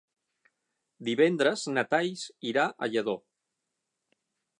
Divendres na Thaís irà a Lladó.